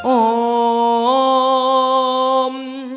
โอ้ม